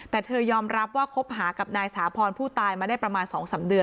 แต่เธอยอมรับว่าคบหากับนายสาพรผู้ตายมาได้ประมาณ๒๓เดือน